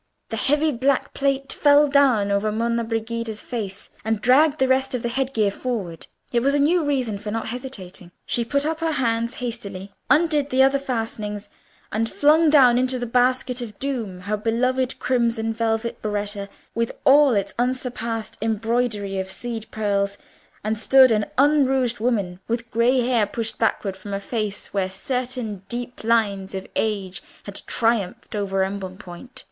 The heavy black plait fell down over Monna Brigida's face, and dragged the rest of the head gear forward. It was a new reason for not hesitating: she put up her hands hastily, undid the other fastenings, and flung down into the basket of doom her beloved crimson velvet berretta, with all its unsurpassed embroidery of seed pearls, and stood an unrouged woman, with grey hair pushed backward from a face where certain deep lines of age had triumphed over embonpoint.